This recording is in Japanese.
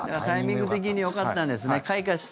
タイミング的によかったんですね。